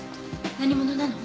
何者なの？